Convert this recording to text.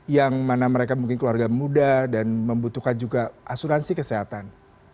yang mana mereka mungkin keluarga muda dan membutuhkan juga asuransi kesehatan